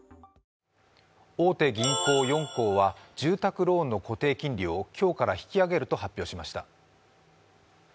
大手銀行４行は住宅ローンの固定金利を今日から引き上げると発表しました。